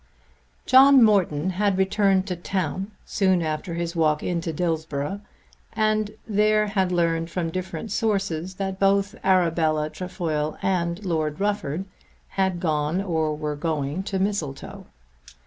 John Morton had returned to town soon after his walk into Dillsborough and had there learned from different sources that both Arabella Trefoil and Lord Rufford had gone or were going to Mistletoe.